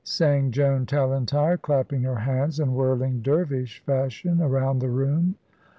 sang Joan Tallentire, clapping her hands, and whirling dervish fashion around the room.